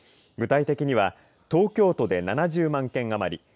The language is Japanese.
具体的には東京都で７０万件余り。